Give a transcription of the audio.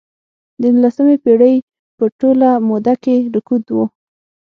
د نولسمې پېړۍ په ټوله موده کې رکود و.